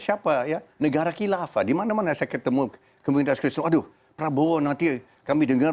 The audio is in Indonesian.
siapa ya negara kilafah dimana mana saya ketemu kemudian aduh prabowo nanti kami dengar